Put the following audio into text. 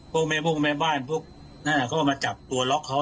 พวกแม่บ้านเขามาจับตัวล็อกเขา